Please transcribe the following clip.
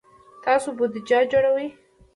تاسو بودیجه جوړوئ؟